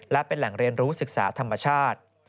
และเป็นแหล่งเรียนรู้ศึกษาธรรมชาติ